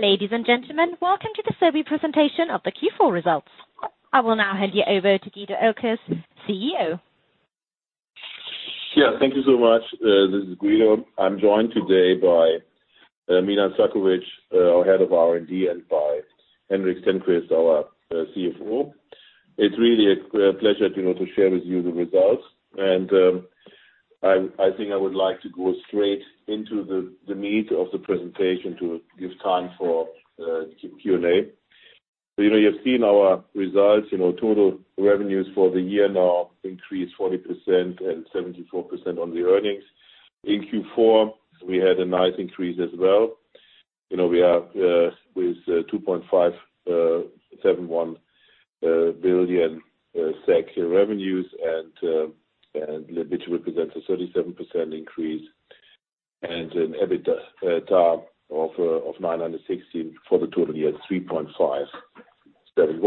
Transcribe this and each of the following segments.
Ladies and gentlemen, welcome to the Sobi presentation of the Q4 results. I will now hand you over to Guido Oelkers, CEO. Yeah, thank you so much. This is Guido. I am joined today by Milan Zdravkovic, our head of R&D, and by Henrik Stenquist, our CFO. It is really a pleasure to share with you the results. I think I would like to go straight into the meat of the presentation to give time for Q&A. You have seen our results. Total revenues for the year now increased 40% and 74% on the earnings. In Q4, we had a nice increase as well. We have 2.571 billion SEK revenues, which represents a 37% increase, and an EBITDA of 916 million for the total year, 3.571 billion.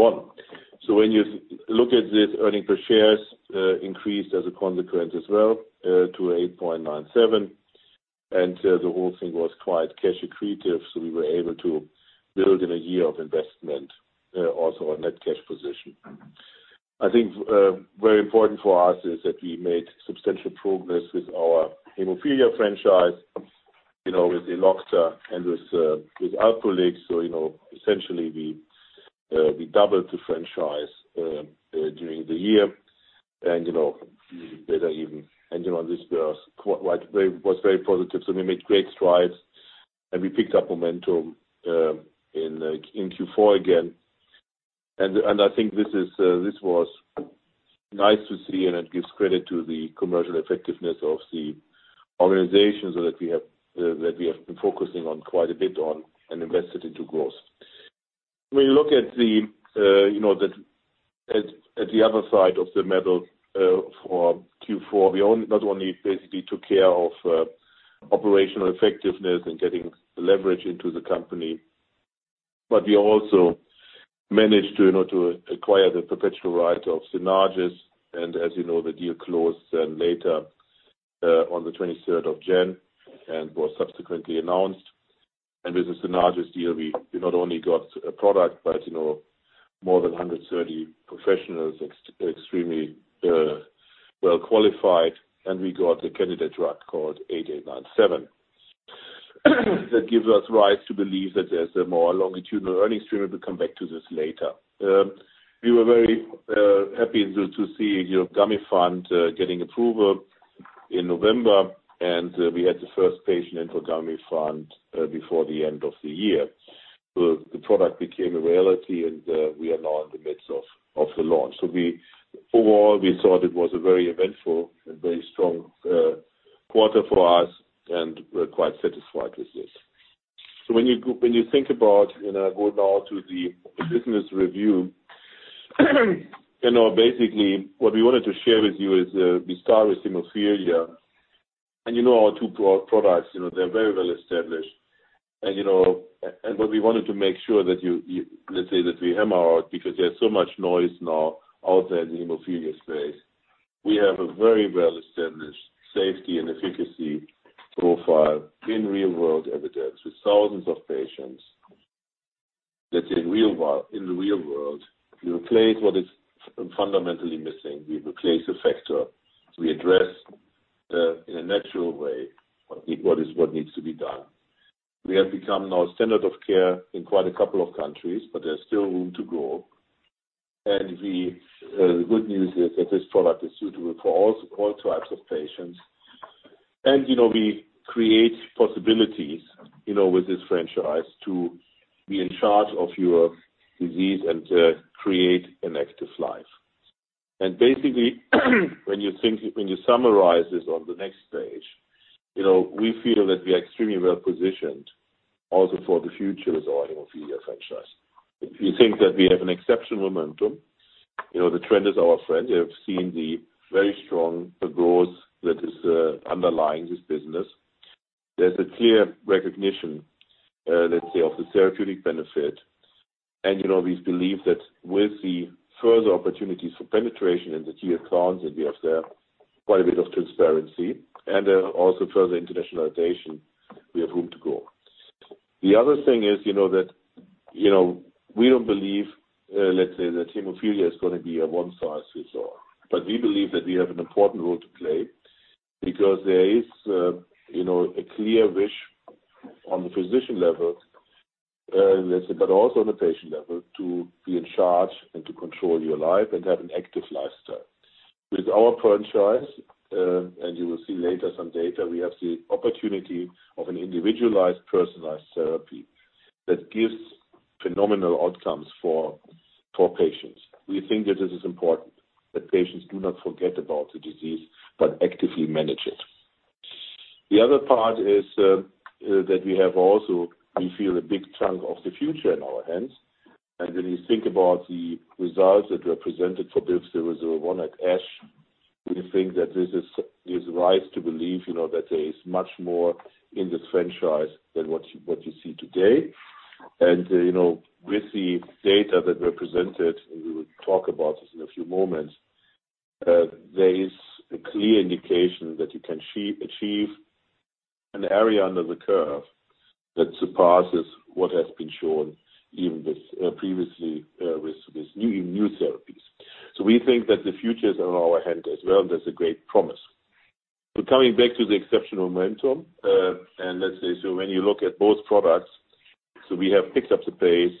When you look at this, earnings per share increased as a consequence as well, to 8.97. The whole thing was quite cash accretive, so we were able to build in a year of investment, also our net cash position. I think very important for us is that we made substantial progress with our hemophilia franchise, with Elocta and with Alprolix. Essentially we doubled the franchise during the year and better even. This was very positive. We made great strides and we picked up momentum in Q4 again. I think this was nice to see, and it gives credit to the commercial effectiveness of the organization so that we have been focusing on quite a bit on and invested into growth. When you look at the other side of the metal for Q4, we not only basically took care of operational effectiveness and getting leverage into the company, but we also managed to acquire the perpetual right of Synagis®. As you know, the deal closed later, on the 23rd of January, and was subsequently announced. With the Synagis® deal, we not only got a product but more than 130 professionals extremely well qualified, and we got a candidate drug called ADA97. That gives us rise to believe that there is a more longitudinal earnings stream. We will come back to this later. We were very happy to see Gamifant® getting approval in November, and we had the first patient into Gamifant® before the end of the year. The product became a reality and we are now in the midst of the launch. Overall, we thought it was a very eventful and very strong quarter for us and we are quite satisfied with this. When you think about going now to the business review, basically what we wanted to share with you is, we start with hemophilia. You know our two products, they are very well-established. What we wanted to make sure that you, let's say, we hammer out because there's so much noise now out there in the hemophilia space. We have a very well-established safety and efficacy profile in real world evidence with thousands of patients that in the real world, we replace what is fundamentally missing. We replace the factor. We address, in a natural way, what needs to be done. We have become now standard of care in quite a couple of countries, but there's still room to grow. The good news is that this product is suitable for all types of patients. We create possibilities, with this franchise to be in charge of your disease and to create an active life. Basically, when you summarize this on the next page, we feel that we are extremely well-positioned also for the future of our hemophilia franchise. If you think that we have an exceptional momentum, the trend is our friend. You have seen the very strong growth that is underlying this business. There's a clear recognition, let's say, of the therapeutic benefit. We believe that with the further opportunities for penetration in the key accounts and we have there quite a bit of transparency and also further internationalization, we have room to grow. The other thing is that we don't believe, let's say, that hemophilia is going to be a one-size-fits-all. We believe that we have an important role to play because there is a clear wish on the physician level, let's say, but also on the patient level, to be in charge and to control your life and have an active lifestyle. With our franchise, you will see later some data, we have the opportunity of an individualized, personalized therapy that gives phenomenal outcomes for poor patients. We think that this is important that patients do not forget about the disease but actively manage it. The other part is that we have also, we feel a big chunk of the future in our hands. When you think about the results that were presented for BIVV001 at ASH, we think that this gives rise to believe that there is much more in this franchise than what you see today. With the data that were presented, and we will talk about this in a few moments, there is a clear indication that you can achieve an area under the curve that surpasses what has been shown even previously with new therapies. We think that the future is on our hand as well. There's a great promise. Coming back to the exceptional momentum, let's say, when you look at both products, we have picked up the pace,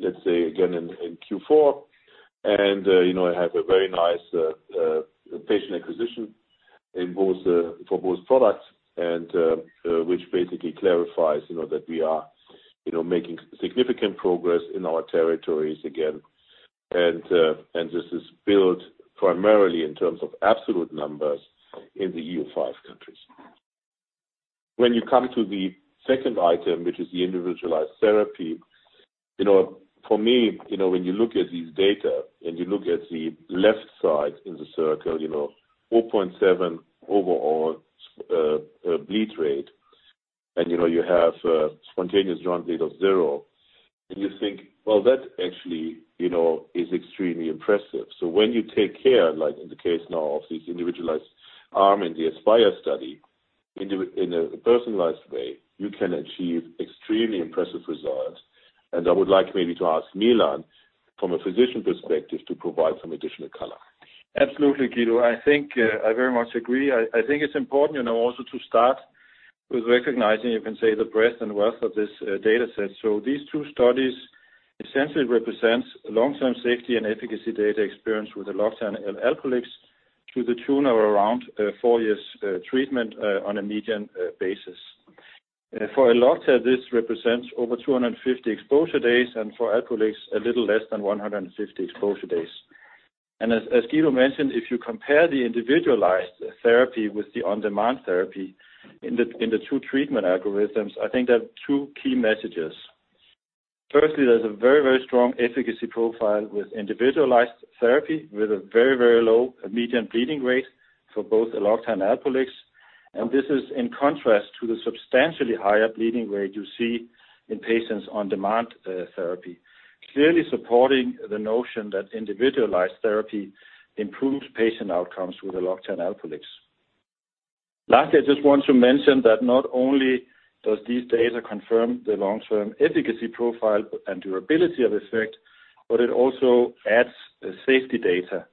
let's say, again in Q4. I have a very nice patient acquisition for both products and which basically clarifies that we are making significant progress in our territories again. This is built primarily in terms of absolute numbers in the EU5 countries. When you come to the second item, which is the individualized therapy, for me, when you look at these data and you look at the left side in the circle, 4.7 overall bleed rate, and you have a spontaneous joint bleed of zero, and you think, well, that actually is extremely impressive. When you take care, like in the case now of this individualized arm in the ASPIRE study in a personalized way, you can achieve extremely impressive results. I would like maybe to ask Milan from a physician perspective to provide some additional color. Absolutely, Guido. I think I very much agree. I think it's important also to start with recognizing, you can say the breadth and wealth of this data set. These two studies essentially represents long-term safety and efficacy data experience with Elocta and Alprolix® to the tune of around 4 years treatment on a median basis. For Elocta, this represents over 250 exposure days, and for Alprolix®, a little less than 150 exposure days. As Guido mentioned, if you compare the individualized therapy with the on-demand therapy in the two treatment algorithms, I think there are two key messages. Firstly, there's a very, very strong efficacy profile with individualized therapy, with a very, very low median bleeding rate for both Elocta and Alprolix®. This is in contrast to the substantially higher bleeding rate you see in patients on-demand therapy. Clearly supporting the notion that individualized therapy improves patient outcomes with Elocta and Alprolix®. Lastly, I just want to mention that not only does these data confirm the long-term efficacy profile and durability of effect, but it also adds safety data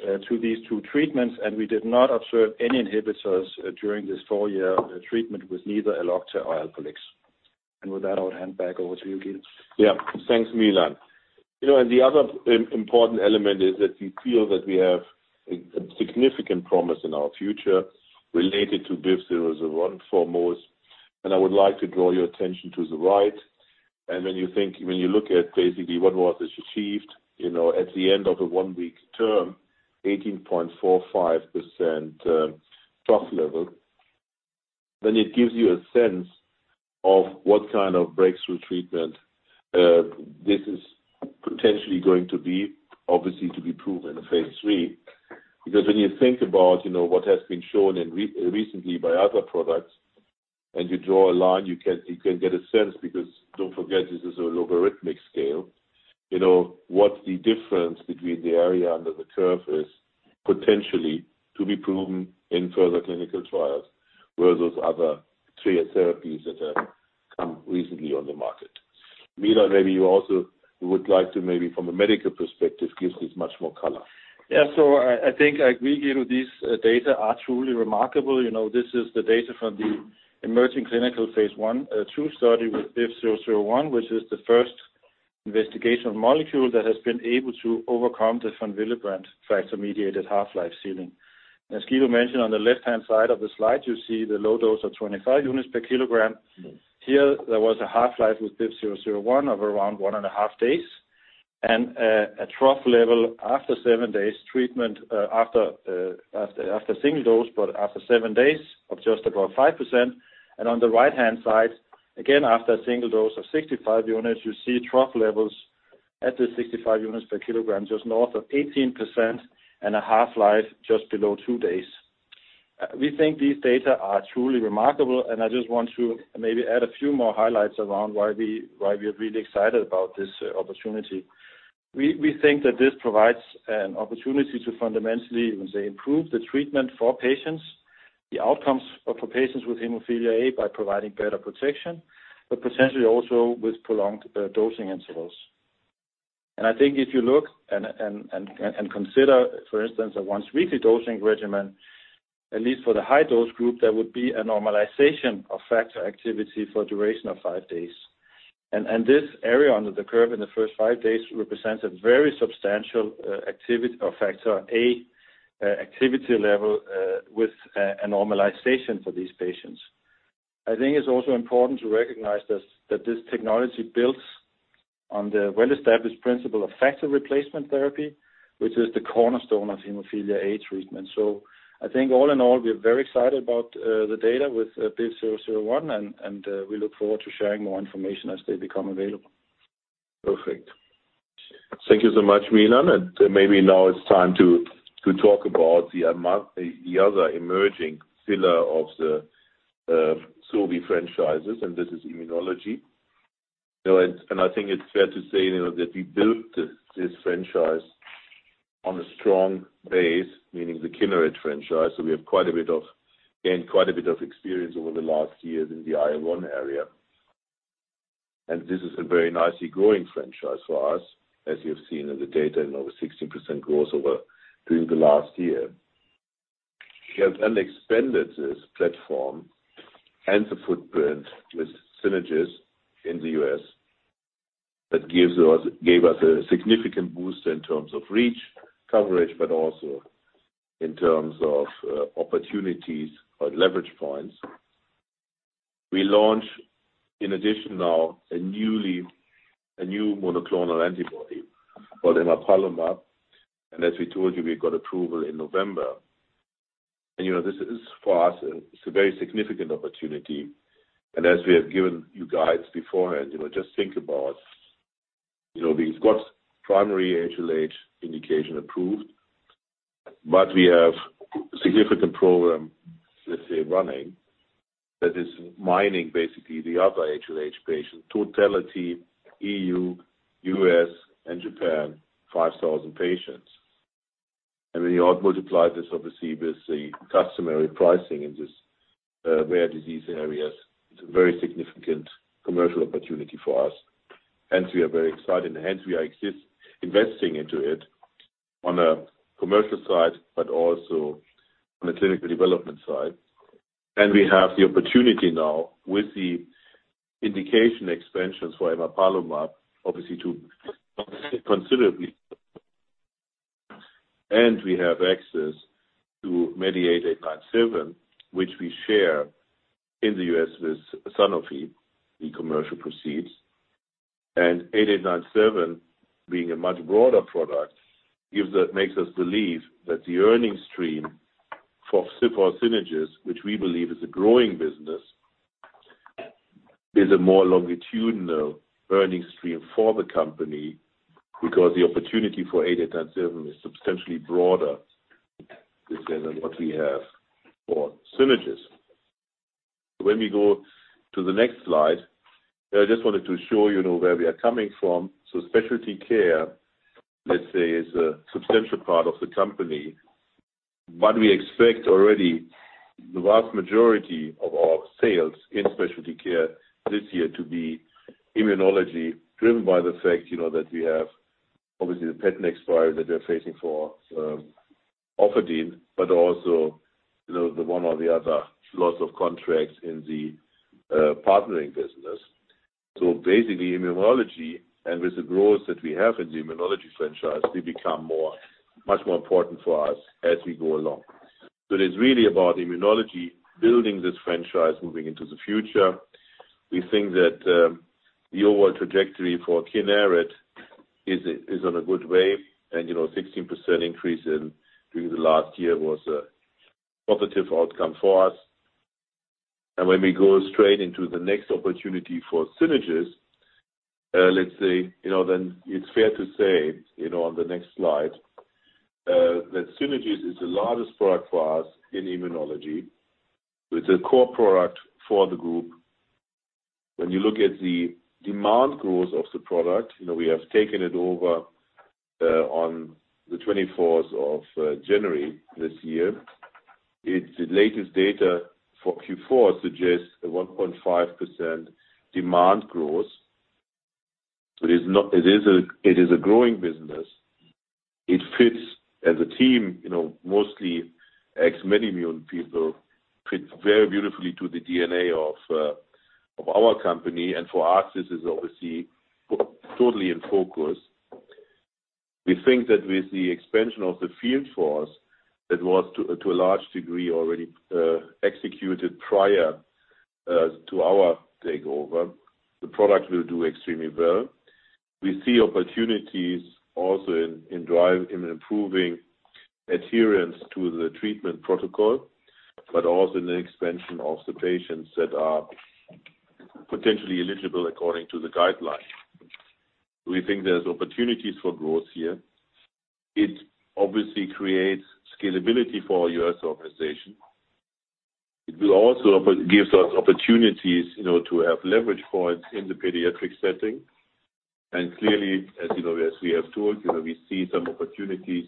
to these two treatments, we did not observe any inhibitors during this 4-year treatment with neither Elocta or Alprolix®. With that, I'll hand back over to you, Guido. Yeah. Thanks, Milan. The other important element is that we feel that we have a significant promise in our future related to BIVV001 foremost. I would like to draw your attention to the right, and when you look at basically what was achieved at the end of the one-week term, 18.45% trough level, then it gives you a sense of what kind of breakthrough treatment this is potentially going to be. Obviously to be proven in phase III. When you think about what has been shown recently by other products and you draw a line, you can get a sense because don't forget, this is a logarithmic scale. What the difference between the area under the curve is potentially to be proven in further clinical trials where those other three therapies that have come recently on the market. Milan, maybe you also would like to from a medical perspective, give this much more color. I think I agree, Guido. These data are truly remarkable. This is the data from the emerging clinical phase I, a true study with BIVV001, which is the first investigational molecule that has been able to overcome the von Willebrand factor-mediated half-life ceiling. As Guido mentioned, on the left-hand side of the slide, you see the low dose of 25 units per kilogram. Here there was a half-life with BIVV001 of around one and a half days, and a trough level after 7 days treatment after single dose, but after 7 days of just above 5%. On the right-hand side, again, after a single dose of 65 units, you see trough levels at the 65 units per kilogram, just north of 18% and a half-life just below 2 days. We think these data are truly remarkable, and I just want to maybe add a few more highlights around why we're really excited about this opportunity. We think that this provides an opportunity to fundamentally, you can say, improve the treatment for patients, the outcomes for patients with hemophilia A by providing better protection, but potentially also with prolonged dosing intervals. I think if you look and consider, for instance, a once-weekly dosing regimen, at least for the high dose group, that would be a normalization of factor activity for a duration of 5 days. This area under the curve in the first 5 days represents a very substantial activity of factor A activity level with a normalization for these patients. I think it's also important to recognize this, that this technology builds on the well-established principle of factor replacement therapy, which is the cornerstone of hemophilia A treatment. I think all in all, we are very excited about the data with BIVV001, and we look forward to sharing more information as they become available. Perfect. Thank you so much, Milan. Maybe now it's time to talk about the other emerging pillar of the Sobi franchises, this is immunology. I think it's fair to say that we built this franchise on a strong base, meaning the Kineret franchise. We have quite a bit of experience over the last years in the IL-1 area. This is a very nicely growing franchise for us, as you have seen in the data, over 16% growth over the last year. We have then expanded this platform and the footprint with Synagis in the U.S. That gave us a significant boost in terms of reach, coverage, but also in terms of opportunities or leverage points. We launch in addition now, a new monoclonal antibody called emapalumab, and as we told you, we got approval in November. This is, for us, it's a very significant opportunity. As we have given you guides beforehand, just think about, we've got primary HLH indication approved, but we have significant program, let's say, running that is mining basically the other HLH patient totality, EU, U.S., and Japan, 5,000 patients. When you multiply this, obviously, with the customary pricing in these rare disease areas, it's a very significant commercial opportunity for us. Hence, we are very excited, and hence we are investing into it on a commercial side, but also on a clinical development side. We have the opportunity now with the indication expansions for emapalumab, obviously, to considerably. We have access to MEDI8897, which we share in the U.S. with Sanofi, the commercial proceeds. MEDI8897, being a much broader product, makes us believe that the earning stream for Synagis, which we believe is a growing business, is a more longitudinal earning stream for the company because the opportunity for MEDI8897 is substantially broader than what we have for Synagis. When we go to the next slide, I just wanted to show you where we are coming from. Specialty care, let's say, is a substantial part of the company. We expect already the vast majority of our sales in specialty care this year to be immunology, driven by the fact that we have, obviously, the patent expiry that we are facing for Orfadin, but also, the one or the other loss of contracts in the partnering business. Basically, immunology and with the growth that we have in the immunology franchise, will become much more important for us as we go along. It is really about immunology, building this franchise moving into the future. We think that the overall trajectory for Kineret is on a good wave. 16% increase during the last year was a positive outcome for us. When we go straight into the next opportunity for Synagis, let's say, then it's fair to say, on the next slide, that Synagis is the largest product for us in immunology. It's a core product for the group. When you look at the demand growth of the product, we have taken it over on the 24th of January this year. The latest data for Q4 suggests a 1.5% demand growth. It is a growing business. It fits as a team, mostly ex MedImmune people, fits very beautifully to the DNA of our company. For us, this is obviously totally in focus. We think that with the expansion of the field force that was to a large degree already executed prior to our takeover, the product will do extremely well. We see opportunities also in improving adherence to the treatment protocol, but also in the expansion of the patients that are potentially eligible according to the guidelines. We think there's opportunities for growth here. It obviously creates scalability for our U.S. organization. It will also give us opportunities to have leverage points in the pediatric setting. Clearly, as we have talked, we see some opportunities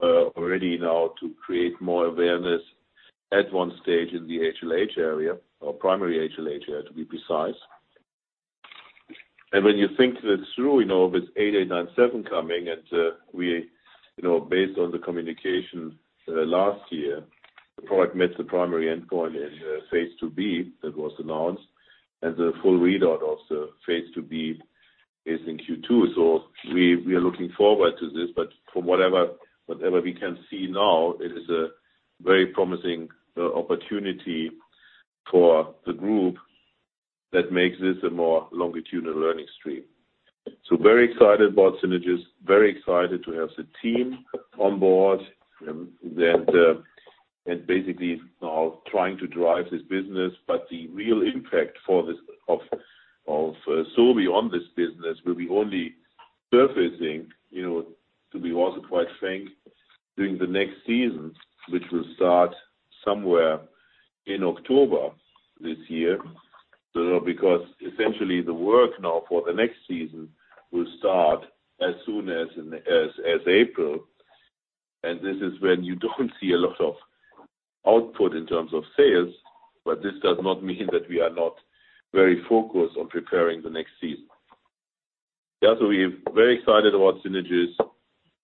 already now to create more awareness at one stage in the HLH area or primary HLH area, to be precise. When you think that through, with MEDI8897 coming and based on the communication last year, the product met the primary endpoint in phase IIb, that was announced, and the full readout of the phase IIb is in Q2. We are looking forward to this. From whatever we can see now, it is a very promising opportunity for the group that makes this a more longitudinal earning stream. Very excited about Synagis, very excited to have the team on board and basically now trying to drive this business, but the real impact of Sobi on this business will be only surfacing, to be also quite frank, during the next season, which will start somewhere in October this year. Essentially the work now for the next season will start as soon as April. This is when you don't see a lot of output in terms of sales, but this does not mean that we are not very focused on preparing the next season. Also, we're very excited about Synagis.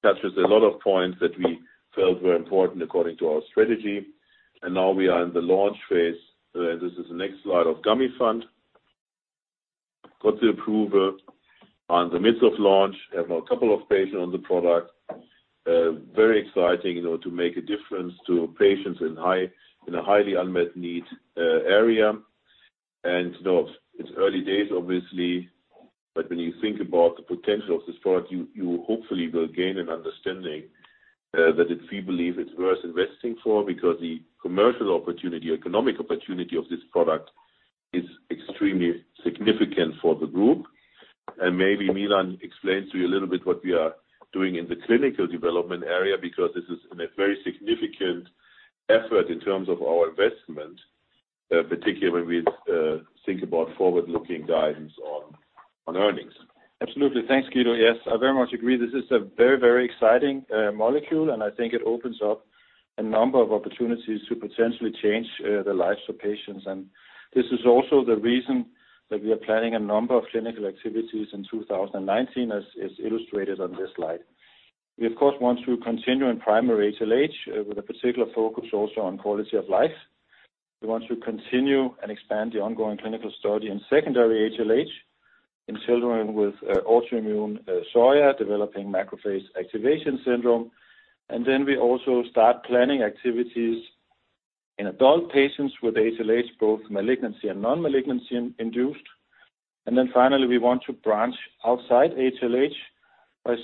Touches a lot of points that we felt were important according to our strategy. Now we are in the launch phase. This is the next slide of Gamifant. Got the approval. Are in the midst of launch, have now a couple of patients on the product. Very exciting to make a difference to patients in a highly unmet need area. It's early days, obviously, but when you think about the potential of this product, you hopefully will gain an understanding that if we believe it's worth investing for, because the commercial opportunity, economic opportunity of this product, is extremely significant for the group. Maybe Milan explains to you a little bit what we are doing in the clinical development area, because this is in a very significant effort in terms of our investment, particularly when we think about forward-looking guidance on earnings. Absolutely. Thanks, Guido. Yes, I very much agree. This is a very exciting molecule, I think it opens up a number of opportunities to potentially change the lives of patients. This is also the reason that we are planning a number of clinical activities in 2019, as is illustrated on this slide. We, of course, want to continue in primary HLH with a particular focus also on quality of life. We want to continue and expand the ongoing clinical study in secondary HLH in children with SJIA developing macrophage activation syndrome. Then we also start planning activities in adult patients with HLH, both malignancy and non-malignancy induced. Then finally, we want to branch outside HLH by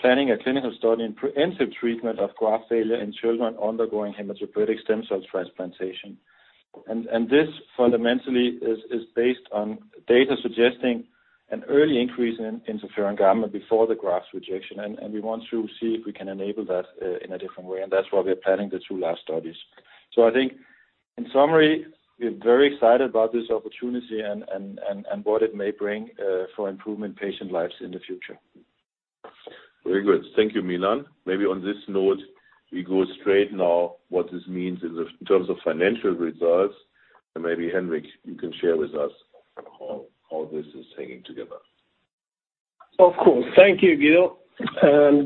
planning a clinical study in preventive treatment of graft failure in children undergoing hematopoietic stem cell transplantation. This fundamentally is based on data suggesting an early increase in interferon gamma before the graft's rejection. We want to see if we can enable that in a different way, that's why we are planning the two last studies. I think in summary, we're very excited about this opportunity and what it may bring for improvement in patient lives in the future. Very good. Thank you, Milan. Maybe on this note, we go straight now what this means in terms of financial results. Maybe Henrik, you can share with us how all this is hanging together. Of course. Thank you, Guido.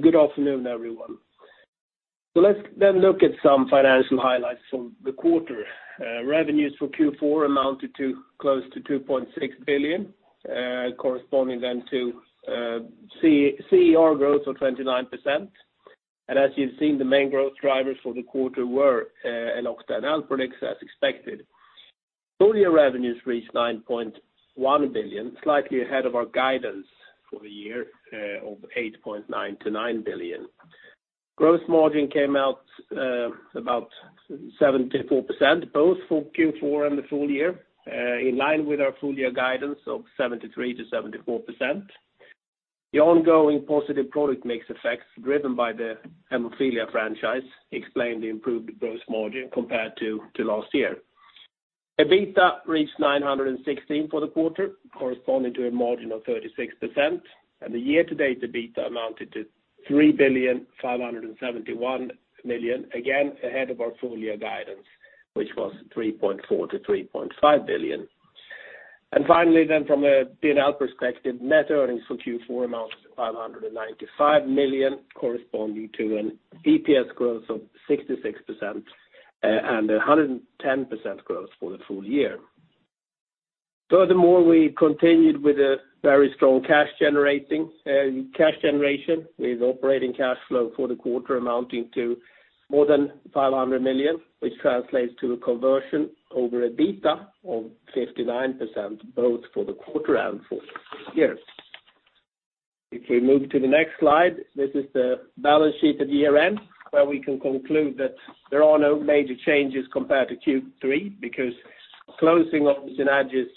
Good afternoon, everyone. Let's then look at some financial highlights from the quarter. Revenues for Q4 amounted to close to 2.6 billion, corresponding then to CER growth of 29%. As you've seen, the main growth drivers for the quarter were Elocta and Alprolix, as expected. Full year revenues reached 9.1 billion, slightly ahead of our guidance for the year of 8.9 billion-9 billion. Gross margin came out about 74%, both for Q4 and the full year, in line with our full year guidance of 73%-74%. The ongoing positive product mix effects driven by the hemophilia franchise explain the improved gross margin compared to last year. EBITDA reached 916 for the quarter, corresponding to a margin of 36%. Year-to-date, EBITDA amounted to 3,571 million, again, ahead of our full year guidance, which was 3.4 billion-3.5 billion. Finally, from a P&L perspective, net earnings for Q4 amounted to 595 million, corresponding to an EPS growth of 66% and 110% growth for the full year. Furthermore, we continued with a very strong cash generation, with operating cash flow for the quarter amounting to more than 500 million, which translates to a conversion over EBITDA of 59%, both for the quarter and full year. We move to the next slide. This is the balance sheet at year-end, where we can conclude that there are no major changes compared to Q3 because closing of the Synagis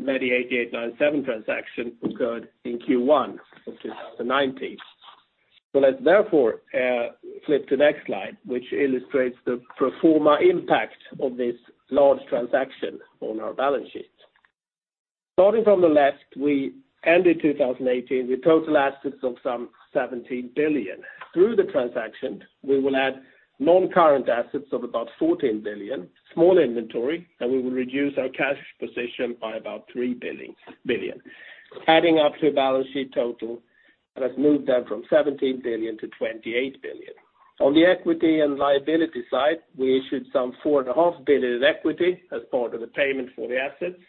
MEDI8897 transaction occurred in Q1 of 2019. Let's therefore flip to the next slide, which illustrates the pro forma impact of this large transaction on our balance sheet. Starting from the left, we ended 2018 with total assets of some 17 billion. Through the transaction, we will add non-current assets of about 14 billion, small inventory, and we will reduce our cash position by about 3 billion. Adding up to a balance sheet total that has moved down from 17 billion to 28 billion. On the equity and liability side, we issued some 4.5 billion in equity as part of the payment for the assets,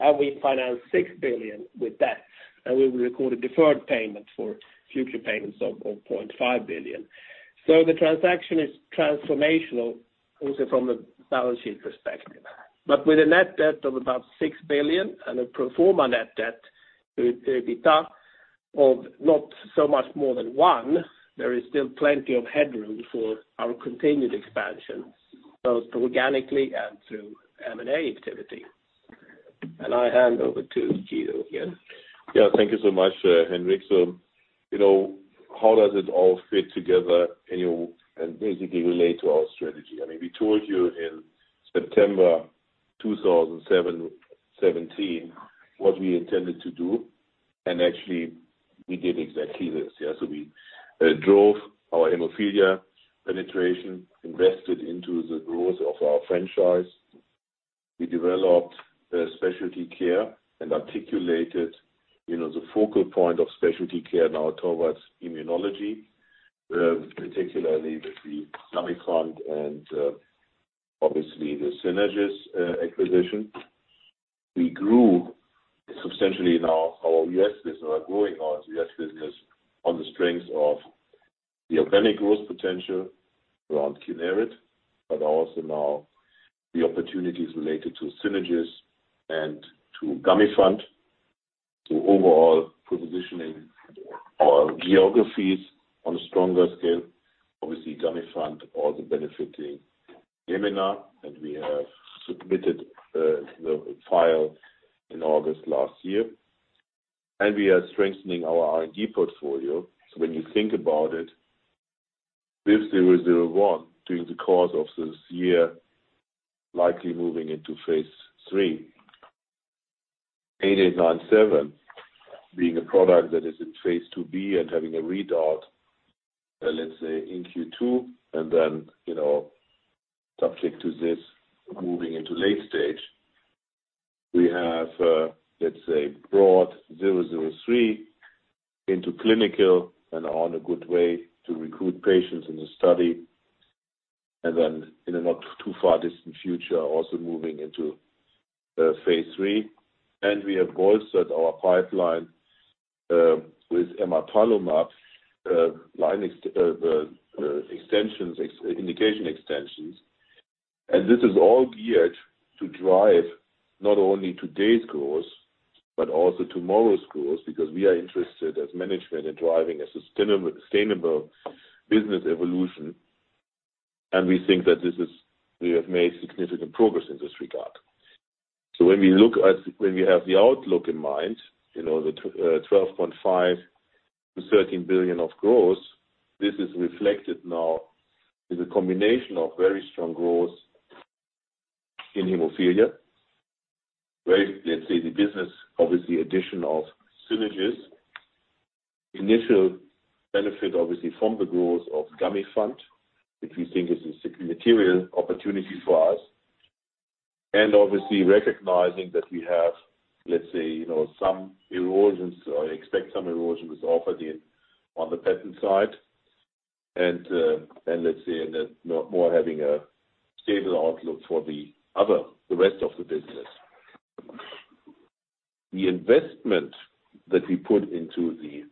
and we financed 6 billion with debt, and we will record a deferred payment for future payments of 0.5 billion. The transaction is transformational also from a balance sheet perspective. But with a net debt of about 6 billion and a pro forma net debt, EBITDA of not so much more than one, there is still plenty of headroom for our continued expansion, both organically and through M&A activity. I hand over to Guido again. Thank you so much, Henrik. How does it all fit together and basically relate to our strategy? We told you in September 2017 what we intended to do. Actually, we did exactly this. We drove our hemophilia penetration, invested into the growth of our franchise. We developed specialty care and articulated the focal point of specialty care now towards immunology, particularly with the Gamifant® and obviously the Synagis acquisition. We grew substantially now our U.S. business or are growing our U.S. business on the strength of the organic growth potential around Kineret but also now the opportunities related to Synagis and to Gamifant® to overall positioning our geographies on a stronger scale. Obviously, Gamifant® or the benefiting Gamifant, and we have submitted the file in August last year. We are strengthening our R&D portfolio. When you think about it, with 001 during the course of this year, likely moving into phase III. MEDI8897 being a product that is in phase II-B and having a readout, let's say, in Q2, and then subject to this moving into late stage. We have, let's say, brought BIVV003 into clinical and on a good way to recruit patients in the study, and then in a not too far distant future, also moving into phase III. We have bolstered our pipeline with emapalumab indication extensions. This is all geared to drive not only today's growth but also tomorrow's growth because we are interested as management in driving a sustainable business evolution, and we think that we have made significant progress in this regard. When we have the outlook in mind, the 12.5 billion-13 billion of growth, this is reflected now in the combination of very strong growth in hemophilia, where let's say the business, obviously addition of Synagis. Initial benefit, obviously, from the growth of Gamifant®, which we think is a material opportunity for us. Obviously recognizing that we have, let's say, some erosions or expect some erosion with Orfadin on the patent side. Let's say in that more having a stable outlook for the rest of the business. The investment that we put into the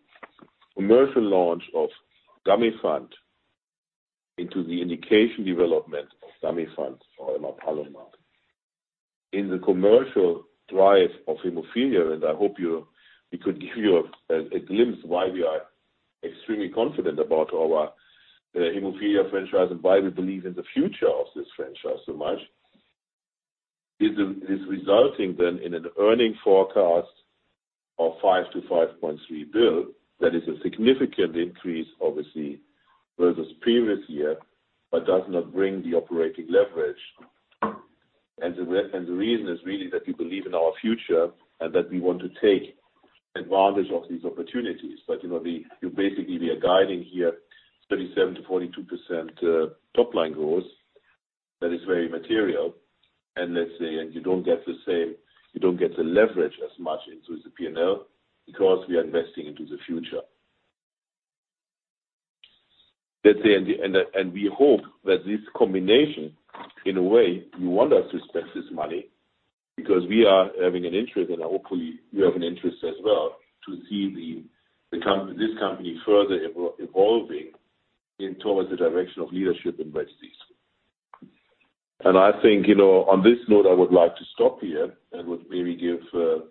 commercial launch of Gamifant® into the indication development of Gamifant® or emapalumab in the commercial drive of hemophilia, and I hope we could give you a glimpse why we are extremely confident about our hemophilia franchise and why we believe in the future of this franchise so much, is resulting then in an earning forecast of 5 billion-5.3 billion. That is a significant increase, obviously, versus previous year, does not bring the operating leverage. The reason is really that we believe in our future and that we want to take advantage of these opportunities. Basically, we are guiding here 37%-42% top-line growth that is very material, you don't get the leverage as much into the P&L because we are investing into the future. In the end, we hope that this combination, in a way, you want us to spend this money because we are having an interest, and hopefully, you have an interest as well to see this company further evolving towards the direction of leadership in rare disease. On this note, I would like to stop here and would maybe give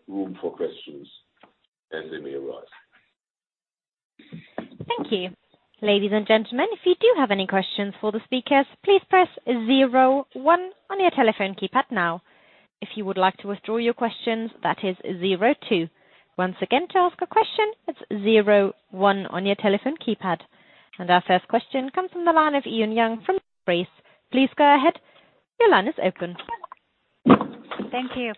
room for questions as they may arise. Thank you. Ladies and gentlemen, if you do have any questions for the speakers, please press zero one on your telephone keypad now. If you would like to withdraw your questions, that is zero two. Once again, to ask a question, it is zero one on your telephone keypad. Our first question comes from the line of Ian Yang from Race. Please go ahead. Your line is open. Thank you.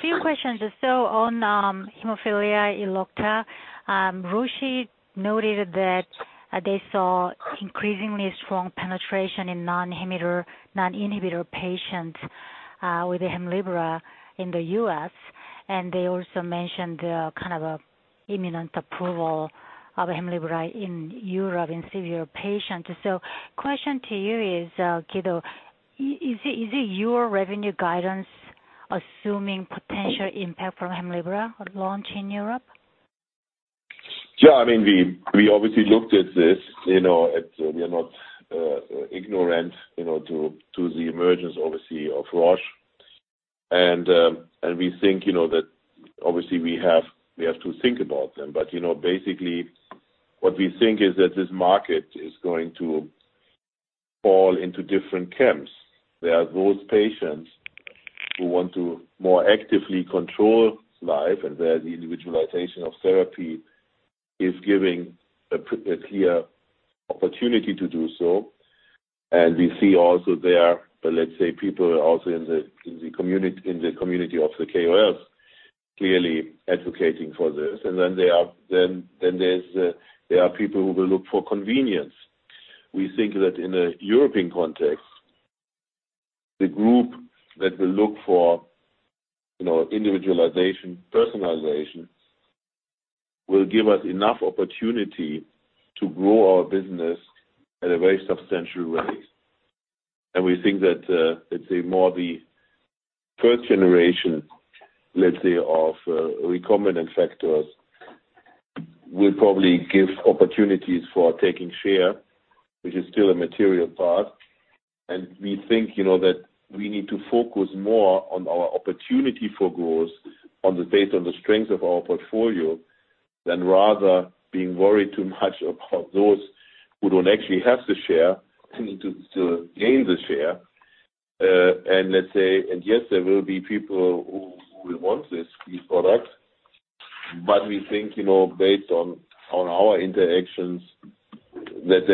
Few questions or so on hemophilia, Elocta. Roche noted that they saw increasingly strong penetration in non-inhibitor patients with Hemlibra in the U.S., and they also mentioned the imminent approval of Hemlibra in Europe in severe patients. Question to you is, Guido, is it your revenue guidance assuming potential impact from Hemlibra launch in Europe? We obviously looked at this. We are not ignorant to the emergence, obviously, of Roche. We think that obviously we have to think about them. Basically, what we think is that this market is going to fall into different camps. There are those patients who want to more actively control life, and where the individualization of therapy is giving a clear opportunity to do so. We see also there are, let's say, people also in the community of the KOLs clearly advocating for this. There are people who will look for convenience. We think that in a European context, the group that will look for individualization, personalization, will give us enough opportunity to grow our business at a very substantial rate. We think that, let's say, more the first generation of recombinant factors will probably give opportunities for taking share, which is still a material part. We think that we need to focus more on our opportunity for growth on the strength of our portfolio, than rather being worried too much about those who don't actually have the share, and to gain the share. Yes, there will be people who will want these products, but we think, based on our interactions, that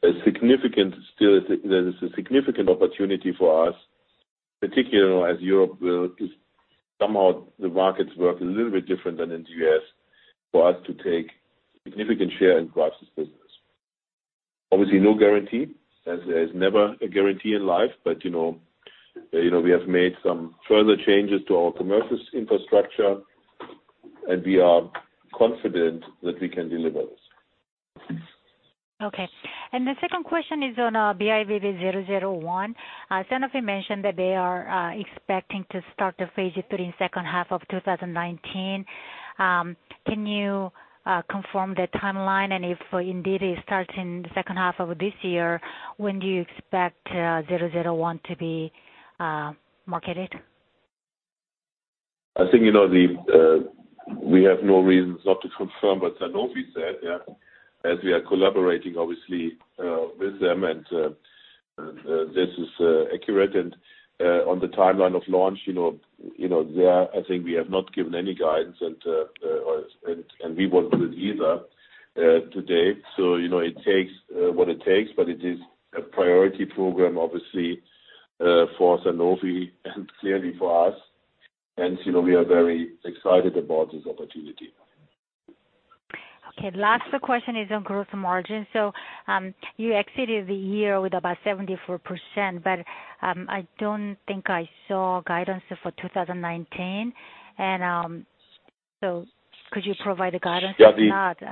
there is a significant opportunity for us, particularly as Europe will Somehow the markets work a little bit different than in the U.S., for us to take significant share in Grifols business. Obviously, no guarantee, as there is never a guarantee in life. We have made some further changes to our commercial infrastructure, and we are confident that we can deliver this. Okay. The second question is on BIVV001. Sanofi mentioned that they are expecting to start the phase III in second half of 2019. Can you confirm the timeline? If indeed it starts in the second half of this year, when do you expect 001 to be marketed? I think, we have no reasons not to confirm what Sanofi said. As we are collaborating, obviously, with them, this is accurate. On the timeline of launch, there, I think we have not given any guidance and we won't do it either today. It takes what it takes, but it is a priority program, obviously, for Sanofi and clearly for us. We are very excited about this opportunity. Okay. Last question is on gross margin. You exited the year with about 74%, but I don't think I saw guidance for 2019. Could you provide a guidance? Yeah. If not,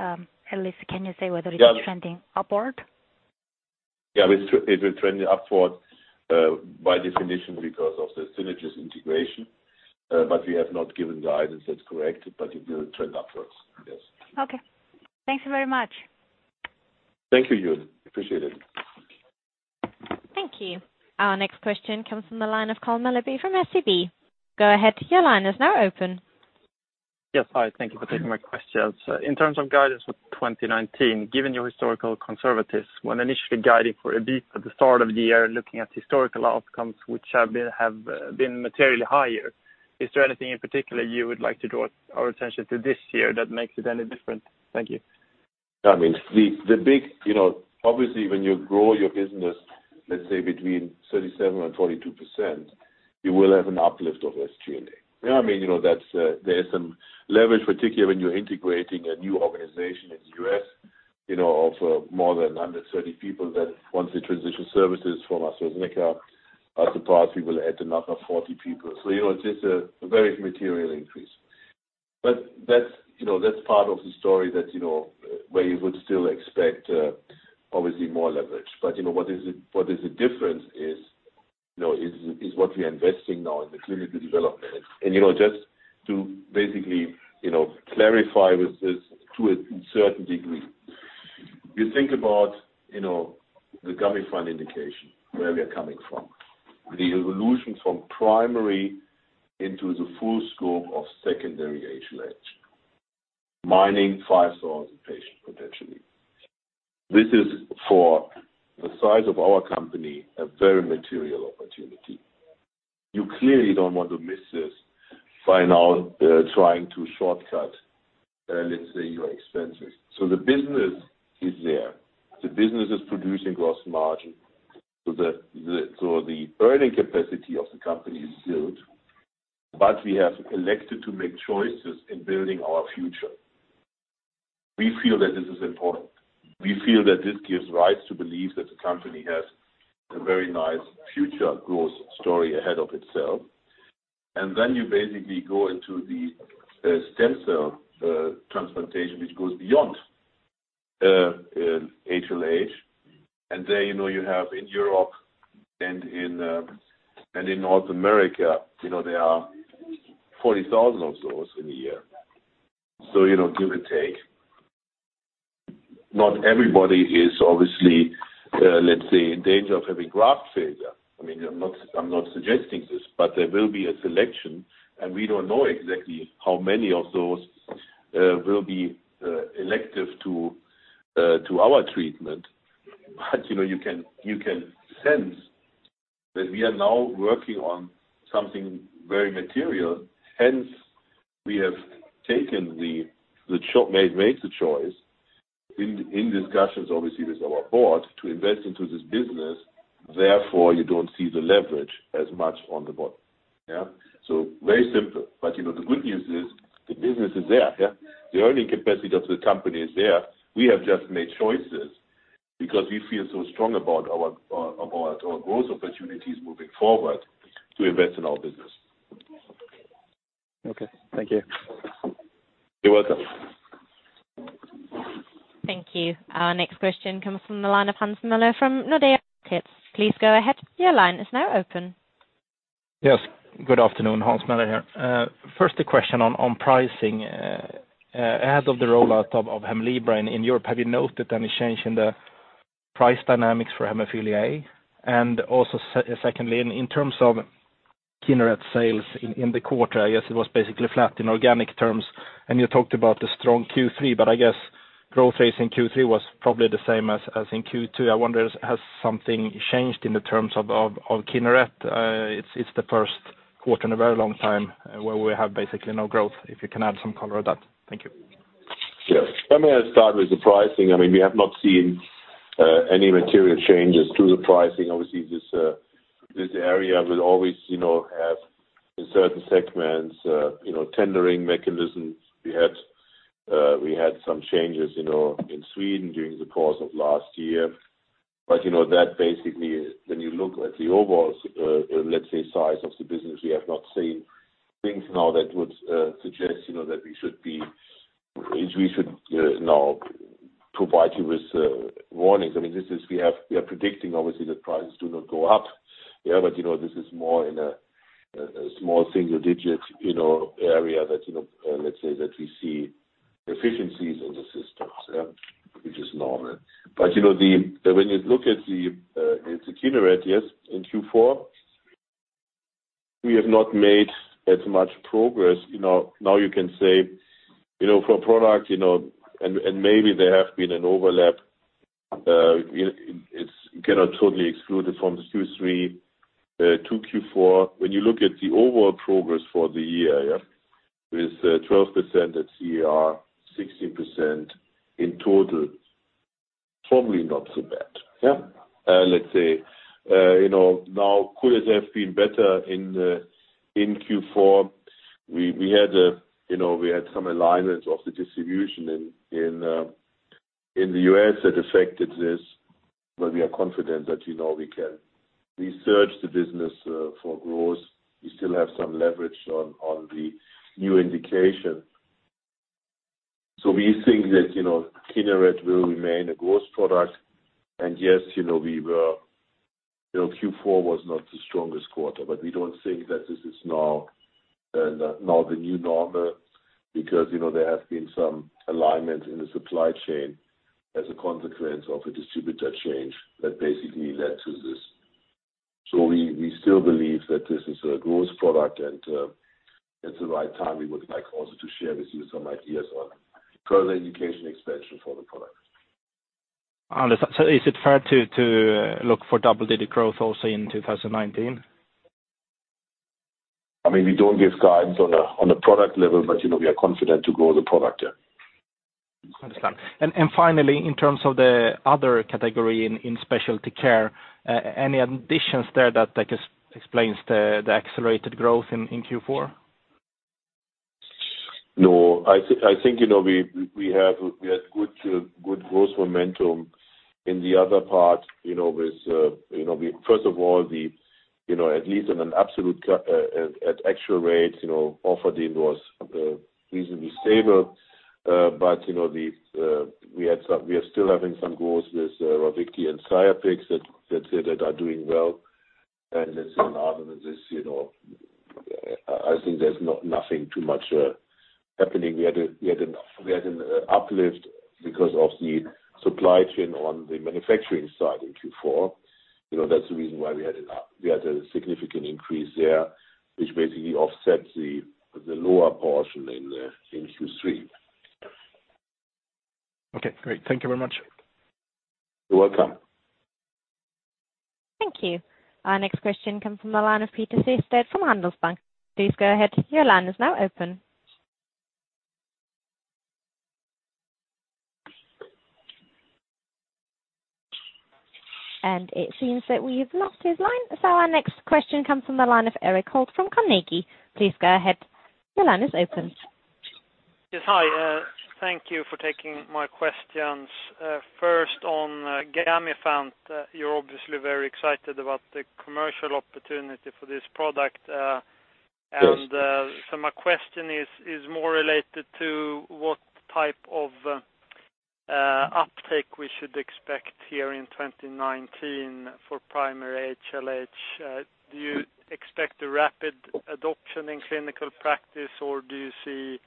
at least can you say whether it is trending upward? Yeah. It will trend upward by definition because of the Synagis integration. We have not given guidance, that's correct, but it will trend upwards. Yes. Okay. Thanks very much. Thank you, Ian. Appreciate it. Thank you. Our next question comes from the line of Carl Mellaby from SEB. Go ahead, your line is now open. Yes, hi. Thank you for taking my questions. In terms of guidance for 2019, given your historical conservatism, when initially guiding for a beat at the start of the year, looking at historical outcomes which have been materially higher, is there anything in particular you would like to draw our attention to this year that makes it any different? Thank you. Obviously, when you grow your business, let's say between 37% and 42%, you will have an uplift of SG&A. There's some leverage, particularly when you're integrating a new organization in the U.S., of more than 130 people that, once they transition services from AstraZeneca, I suppose we will add another 40 people. It's just a very material increase. That's part of the story where you would still expect, obviously, more leverage. What is the difference is what we are investing now in the clinical development. Just to basically clarify with this to a certain degree. You think about the Gamifant indication, where we are coming from. The evolution from primary into the full scope of secondary age range, mining 5,000 patients, potentially. This is, for the size of our company, a very material opportunity. You clearly don't want to miss this by now trying to shortcut, let's say, your expenses. The business is there. The business is producing gross margin. The earning capacity of the company is built, but we have elected to make choices in building our future. We feel that this is important. We feel that this gives rise to believe that the company has a very nice future growth story ahead of itself. Then you basically go into the stem cell transplantation, which goes beyond HLH. There you have in Europe and in North America, there are 40,000 of those in a year. Give or take. Not everybody is obviously, let's say, in danger of having graft failure. I'm not suggesting this, but there will be a selection, and we don't know exactly how many of those will be elective to our treatment. You can sense that we are now working on something very material, hence we have made the choice, in discussions obviously with our board, to invest into this business. Therefore, you don't see the leverage as much on the board. Yeah. Very simple. The good news is the business is there. Yeah. The earning capacity of the company is there. We have just made choices because we feel so strong about our growth opportunities moving forward to invest in our business. Okay. Thank you. You're welcome. Thank you. Our next question comes from the line of Hans Mölle from Nordea Markets. Please go ahead. Your line is now open. Yes. Good afternoon. Hans Mölle here. First, a question on pricing. Ahead of the rollout of Hemlibra in Europe, have you noted any change in the price dynamics for hemophilia A? Secondly, in terms of Kineret sales in the quarter, I guess it was basically flat in organic terms, and you talked about the strong Q3, but I guess growth rates in Q3 was probably the same as in Q2. I wonder, has something changed in the terms of Kineret? It's the first quarter in a very long time where we have basically no growth, if you can add some color on that. Thank you. Yes. Let me start with the pricing. We have not seen any material changes to the pricing. Obviously, this area will always have, in certain segments, tendering mechanisms. We had some changes in Sweden during the course of last year. That basically, when you look at the overall, let's say, size of the business, we have not seen things now that would suggest that we should now provide you with warnings. We are predicting, obviously, that prices do not go up. This is more in a small single-digit area that, let's say, that we see efficiencies in the systems. Which is normal. When you look at the Kineret, yes, in Q4, we have not made as much progress. Now you can say for a product, and maybe there has been an overlap, you cannot totally exclude it from Q3 to Q4. When you look at the overall progress for the year, with 12% at CER, 16% in total, probably not so bad. Let's say, now could it have been better in Q4? We had some alignment of the distribution in the U.S. that affected this, but we are confident that we can research the business for growth. We still have some leverage on the new indication. We think that Kineret will remain a growth product. Yes, Q4 was not the strongest quarter, but we don't think that this is now the new normal because there have been some alignment in the supply chain as a consequence of a distributor change that basically led to this. We still believe that this is a growth product, and at the right time, we would like also to share with you some ideas on further indication expansion for the product. Is it fair to look for double-digit growth also in 2019? We don't give guidance on a product level, but we are confident to grow the product, yeah. Finally, in terms of the other category in specialty care, any additions there that explains the accelerated growth in Q4? No. I think we had good growth momentum in the other part. First of all, at least in an absolute at actual rate, Orfadin was reasonably stable. We are still having some growth with Ravicti and Xiapex that are doing well. Let's say in addition to this, I think there's nothing too much happening. We had an uplift because of the supply chain on the manufacturing side in Q4. That's the reason why we had a significant increase there, which basically offset the lower portion in Q3. Okay, great. Thank you very much. You're welcome. Thank you. Our next question comes from the line of Peter Sehested from Handelsbanken. Please go ahead. Your line is now open. It seems that we've lost his line. Our next question comes from the line of Erik Hultgård from Carnegie. Please go ahead. Your line is open. Yes. Hi. Thank you for taking my questions. First on Gamifant, you're obviously very excited about the commercial opportunity for this product. My question is more related to what type of uptake we should expect here in 2019 for primary HLH. Do you expect a rapid adoption in clinical practice, or do you see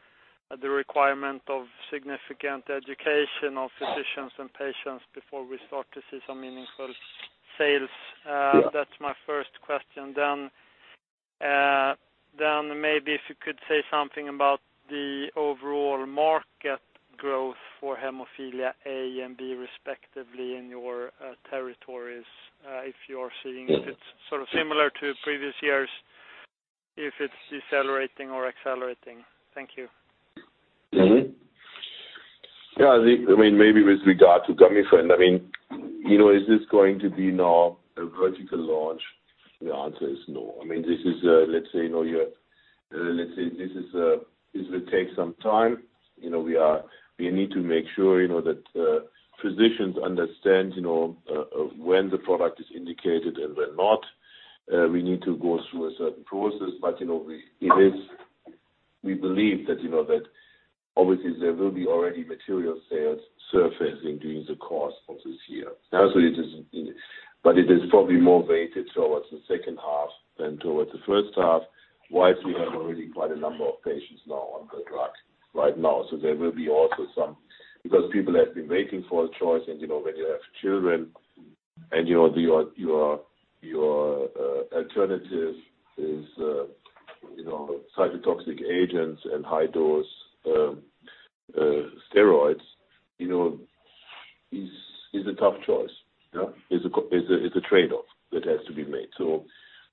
the requirement of significant education of physicians and patients before we start to see some meaningful sales? Yeah. That's my first question. Maybe if you could say something about the overall market growth for hemophilia A and B, respectively, in your territories, if you're seeing if it's similar to previous years, if it's decelerating or accelerating. Thank you. With regard to Gamifant, is this going to be now a vertical launch? The answer is no. This will take some time. We need to make sure that physicians understand when the product is indicated and when not. We need to go through a certain process. We believe that, obviously, there will be already material sales surfacing during the course of this year. It is probably more weighted towards the second half than towards the first half, whilst we have already quite a number of patients now on the drug right now. Because people have been waiting for a choice, and when you have children and your alternative is cytotoxic agents and high-dose steroids, is a tough choice. It's a trade-off that has to be made.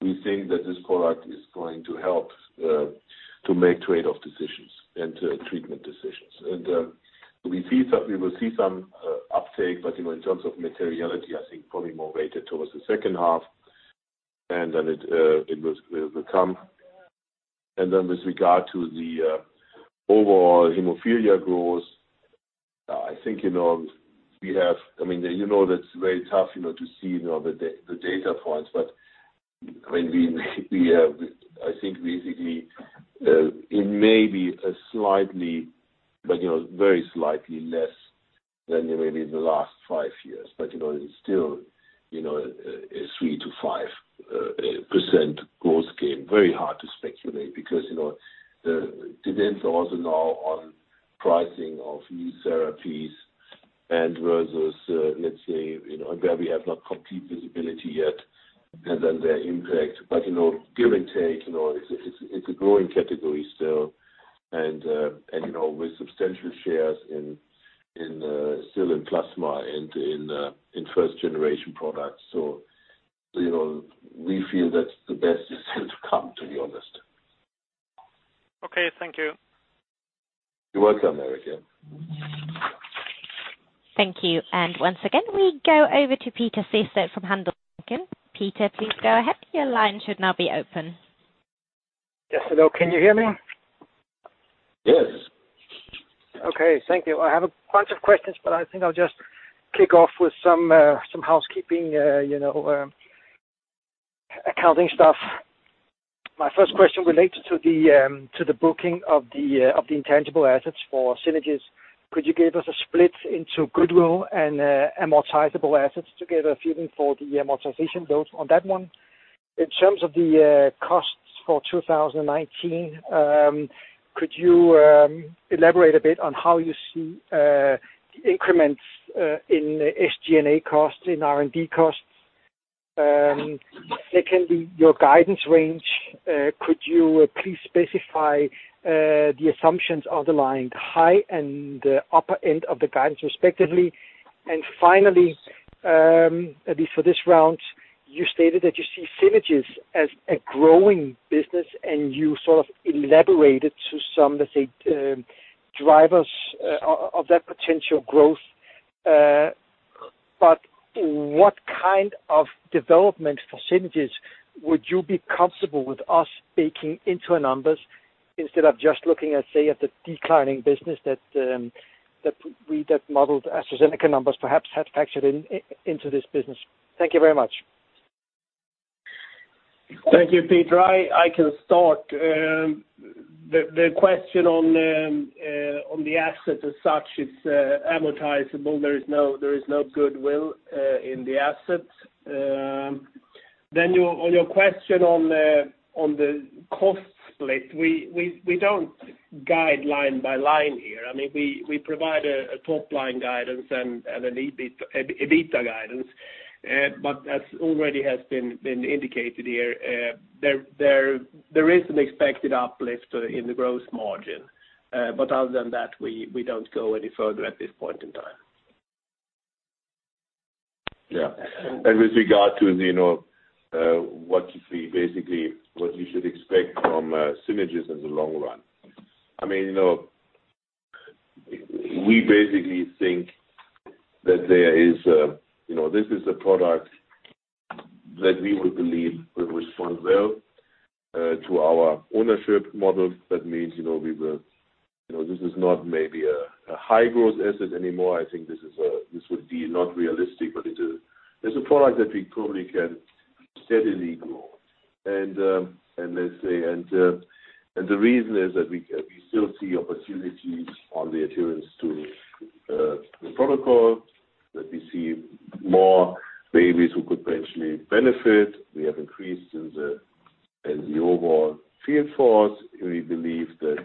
We think that this product is going to help to make trade-off decisions and treatment decisions. We will see some uptake, but in terms of materiality, I think probably more weighted towards the second half, and then it will come. With regard to the overall hemophilia growth, it's very tough to see the data points, but I think basically it may be very slightly less than maybe the last five years. It's still a 3%-5% growth gain. Very hard to speculate, because it depends also now on pricing of these therapies and versus where we have not complete visibility yet, and then their impact. Give and take, it's a growing category still and with substantial shares still in plasma and in first-generation products. We feel that the best is still to come, to be honest. Thank you. You're welcome, Erik. Thank you. Once again, we go over to Peter Sehested from Handelsbanken. Peter, please go ahead. Your line should now be open. Yes, hello. Can you hear me? Yes. Okay. Thank you. I have a bunch of questions, I think I'll just kick off with some housekeeping accounting stuff. My first question relates to the booking of the intangible assets for Synagis. Could you give us a split into goodwill and amortizable assets together, if even for the amortization dose on that one? In terms of the costs for 2019, could you elaborate a bit on how you see the increments in SG&A costs, in R&D costs? Secondly, your guidance range, could you please specify the assumptions underlying the high and the upper end of the guidance, respectively? Finally, at least for this round, you stated that you see Synagis as a growing business, you sort of elaborated to some, let's say, drivers of that potential growth. What kind of development for Synagis would you be comfortable with us baking into our numbers instead of just looking at, say, at the declining business that we modeled AstraZeneca numbers perhaps had factored into this business? Thank you very much. Thank you, Peter. I can start. The question on the asset as such, it's amortizable. There is no goodwill in the asset. On your question on the cost split, we don't guide line by line here. We provide a top-line guidance and an EBITDA guidance. As already has been indicated here, there is an expected uplift in the gross margin. Other than that, we don't go any further at this point in time. Yeah. With regard to what you should expect from Synagis in the long run. We basically think that this is a product that we would believe will respond well to our ownership model. That means this is not maybe a high-growth asset anymore. I think this would be not realistic, but it's a product that we probably can steadily grow. The reason is that we still see opportunities on the adherence to the protocol, that we see more babies who could potentially benefit. We have increased in the overall field force. We believe that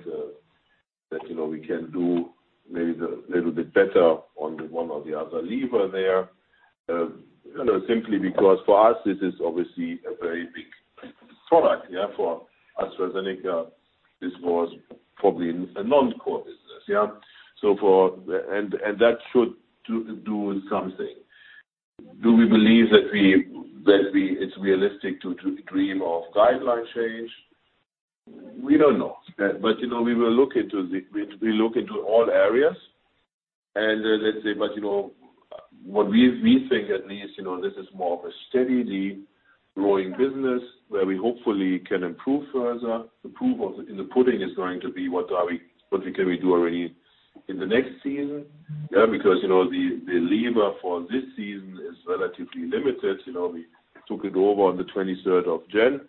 we can do maybe a little bit better on the one or the other lever there. Simply because for us, this is obviously a very big product. For AstraZeneca, this was probably a non-core business. That should do something. Do we believe that it's realistic to dream of guideline change? We don't know. We look into all areas. What we think at least, this is more of a steadily growing business where we hopefully can improve further. The proof in the pudding is going to be what we can do already in the next season. Because the lever for this season is relatively limited. We took it over on the 23rd of January.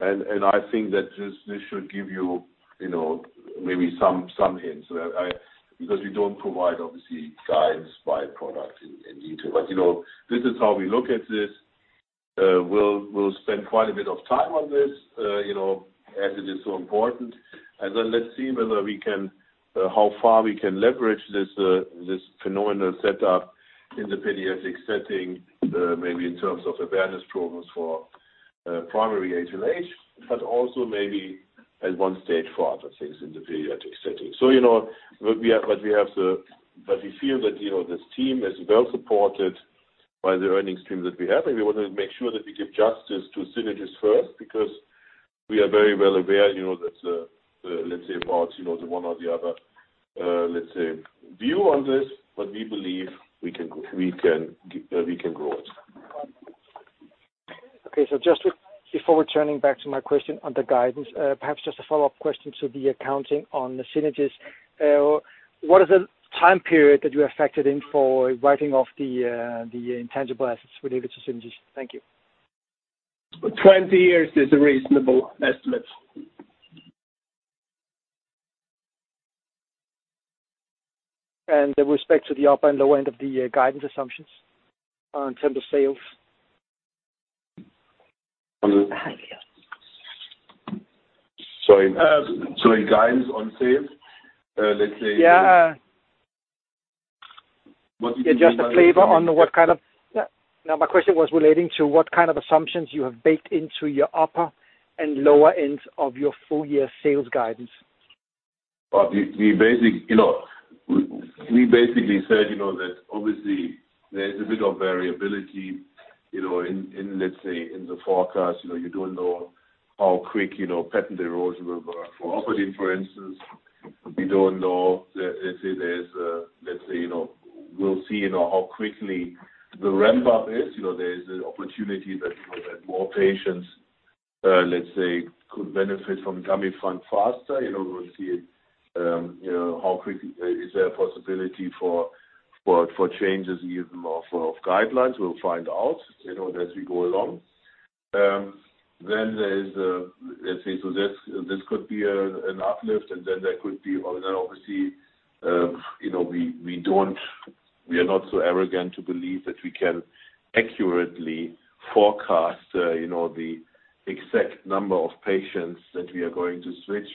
I think that this should give you maybe some hints. Because we don't provide, obviously, guidance by product in detail. This is how we look at this. We'll spend quite a bit of time on this as it is so important. Let's see how far we can leverage this phenomenal setup in the pediatric setting, maybe in terms of awareness programs for primary HLH, but also maybe at one stage for other things in the pediatric setting. We feel that this team is well supported by the earnings stream that we have. We want to make sure that we give justice to Synagis first, because we are very well aware that the, let's say, about the one or the other view on this. We believe we can grow it. Just before returning back to my question on the guidance, perhaps just a follow-up question to the accounting on the synergies. What is the time period that you have factored in for writing off the intangible assets related to synergies? Thank you. 20 years is a reasonable estimate. With respect to the upper and lower end of the guidance assumptions in terms of sales? Sorry, guidance on sales? Yeah. What do you mean by- Just a flavor on what kind of. My question was relating to what kind of assumptions you have baked into your upper and lower ends of your full-year sales guidance. We basically said that obviously there is a bit of variability in the forecast. You don't know how quick patent erosion will work. For Orfadin, for instance, we don't know. We'll see how quickly the ramp-up is. There's an opportunity that more patients could benefit from Gamifant faster. We'll see how quickly is there a possibility for changes, even of guidelines. We'll find out as we go along. This could be an uplift, and then there could be. Obviously we are not so arrogant to believe that we can accurately forecast the exact number of patients that we are going to switch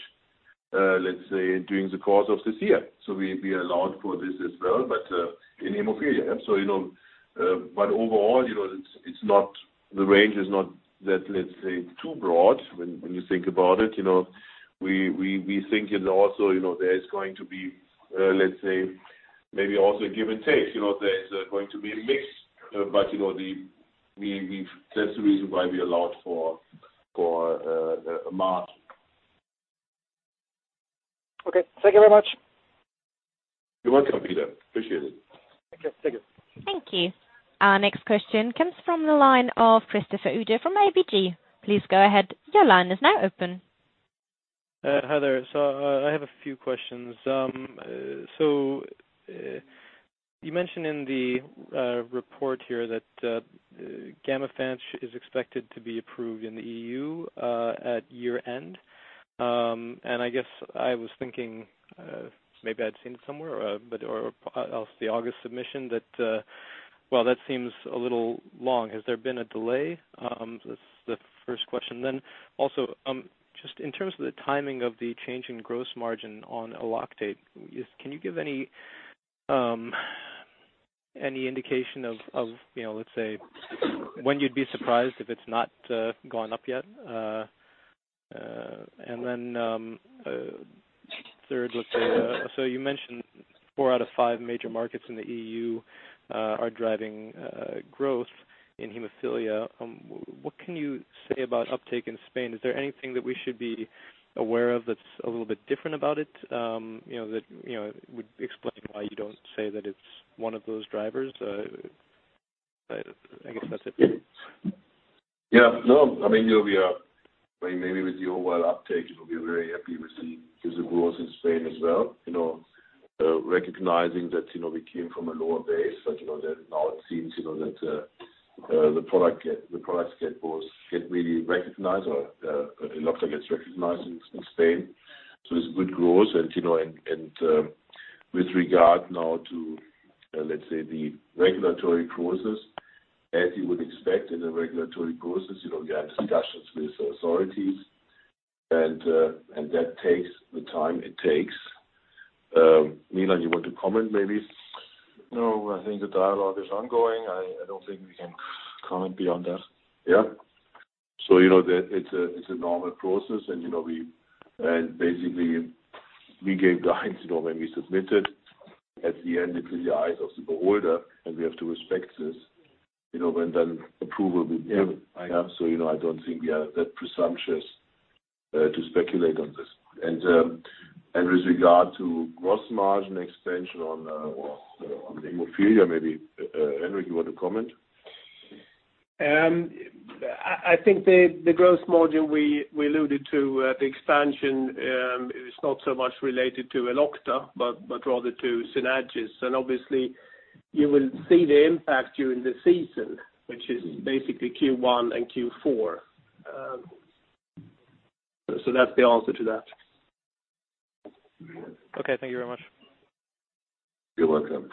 during the course of this year. We allowed for this as well, but in hemophilia. Overall, the range is not that too broad when you think about it. We think also there is going to be maybe also a give and take. There is going to be a mix. That's the reason why we allowed for a mark. Okay. Thank you very much. You're welcome, Peter. Appreciate it. Okay. Thank you. Thank you. Our next question comes from the line of Christopher Uhde from ABG. Please go ahead. Your line is now open. Hi there. I have a few questions. You mentioned in the report here that Gamifant is expected to be approved in the EU at year-end. I guess I was thinking maybe I'd seen it somewhere, but or else the August submission that seems a little long. Has there been a delay? That's the first question. Also, just in terms of the timing of the change in gross margin on Elocta, can you give any indication of, let's say, when you'd be surprised if it's not gone up yet? Third, you mentioned four out of five major markets in the EU are driving growth in hemophilia. What can you say about uptake in Spain? Is there anything that we should be aware of that's a little bit different about it that would explain why you don't say that it's one of those drivers? I guess that's it. Maybe with the overall uptake, we'll be very happy with the user growth in Spain as well, recognizing that we came from a lower base. Now it seems that the products get really recognized, or Elocta gets recognized in Spain. It's good growth. With regard now to, let's say, the regulatory process, as you would expect in the regulatory process, you have discussions with the authorities, and that takes the time it takes. Milan, you want to comment, maybe? I think the dialogue is ongoing. I don't think we can comment beyond that. Yeah. It's a normal process. Basically, we gave the hints when we submitted. At the end, it's in the eyes of the beholder, and we have to respect this. When then approval will be given. Yeah. I don't think we are that presumptuous to speculate on this. With regard to gross margin expansion on haemophilia, maybe Henrik, you want to comment? I think the gross margin we alluded to, the expansion is not so much related to Elocta, but rather to Synagis®. Obviously, you will see the impact during the season, which is basically Q1 and Q4. That's the answer to that. Okay. Thank you very much. You're welcome.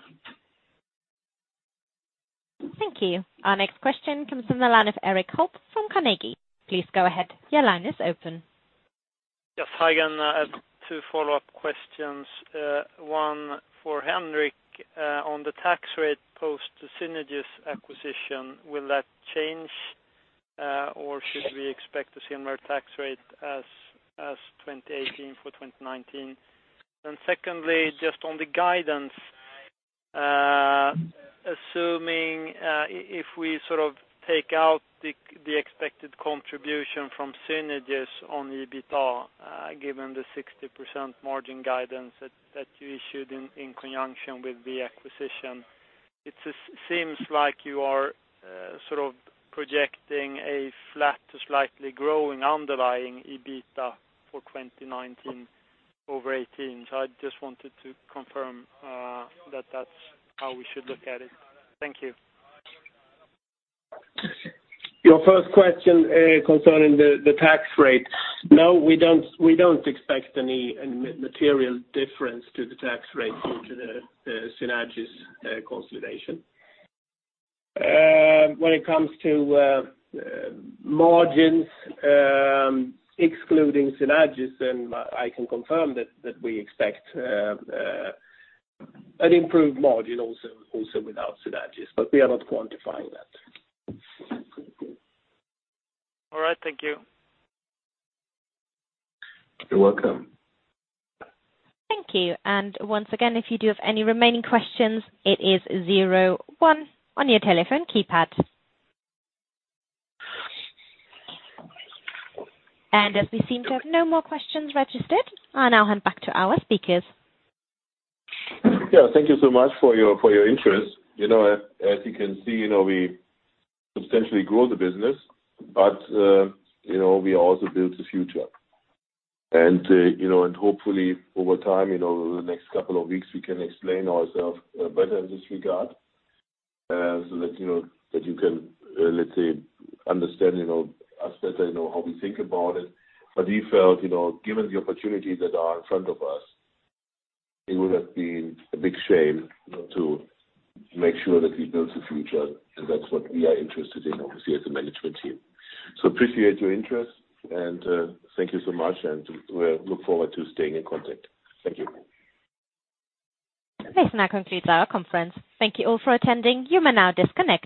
Thank you. Our next question comes from the line of Erik Hultgård from Carnegie. Please go ahead. Your line is open. Yes. Hi again. Two follow-up questions. One for Henrik on the tax rate post the Synagis® acquisition. Will that change, or should we expect a similar tax rate as 2018 for 2019? Secondly, just on the guidance, assuming if we sort of take out the expected contribution from Synagis® on the EBITDA, given the 60% margin guidance that you issued in conjunction with the acquisition, it seems like you are sort of projecting a flat to slightly growing underlying EBITDA for 2019 over 2018. I just wanted to confirm that that's how we should look at it. Thank you. Your first question concerning the tax rate. No, we don't expect any material difference to the tax rate due to the Synagis® consolidation. When it comes to margins excluding Synagis®, I can confirm that we expect an improved margin also without Synagis®, but we are not quantifying that. All right. Thank you. You're welcome. Thank you. Once again, if you do have any remaining questions, it is zero one on your telephone keypad. As we seem to have no more questions registered, I'll now hand back to our speakers. Thank you so much for your interest. As you can see, we substantially grow the business, but we also build the future. Hopefully over time, over the next couple of weeks, we can explain ourselves better in this regard, so that you can understand us better, know how we think about it. We felt, given the opportunities that are in front of us, it would have been a big shame to make sure that we build the future, and that's what we are interested in, obviously, as a management team. Appreciate your interest, and thank you so much, and we look forward to staying in contact. Thank you. This now concludes our conference. Thank you all for attending. You may now disconnect.